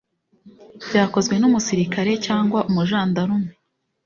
byakozwe n umusirikare cyangwa umujandarume